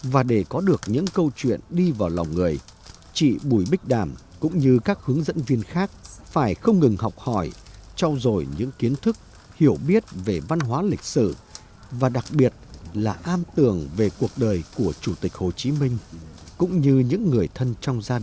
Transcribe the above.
và để có được những câu chuyện đi vào lòng người chị bùi bích đàm cũng như các hướng dẫn viên khác phải không ngừng học hỏi trao dồi những kiến thức hiểu biết về văn hóa lịch sử và đặc biệt là am tưởng về cuộc đời của chủ tịch hồ chí minh cũng như những người thân trong gia đình